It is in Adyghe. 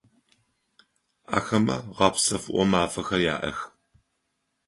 Ахэмэ гъэпсэфыгъо мафэхэр яӏэх.